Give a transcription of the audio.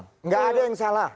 tidak ada yang salah